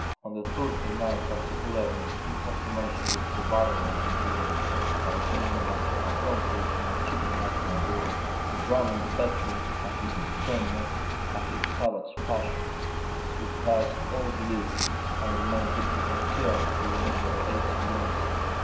On the Thursday night, particularly, this transformation was so violently brutal, that it seemed as if accomplished in a supernatural world. The drama in the bedroom, by its strangeness, by its savage passion, surpassed all belief, and remained deeply concealed within their aching beings.